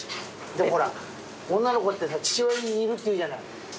でもほら女の子ってさ父親に似るっていうじゃない。